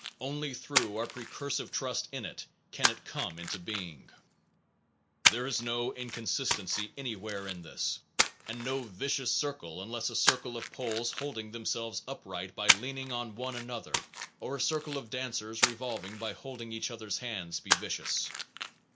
Only through our pre cursive trust in it can it come into being. There is no inconsistency anywhere in this, and 230 APPENDIX no * vicious circle unless a circle of poles holding themselves upright by leaning on one another, or a circle of dancers revolving by holding each other s hands, be vicious.